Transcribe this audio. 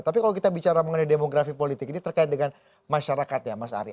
tapi kalau kita bicara mengenai demografi politik ini terkait dengan masyarakat ya mas ari